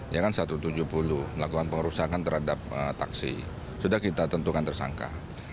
ya kan satu ratus tujuh puluh melakukan pengerusakan terhadap taksi sudah kita tentukan tersangka